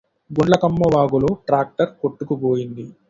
గుండ్లకమ్మ వాగులో ట్రాక్టర్ కొట్టుకుపోయింది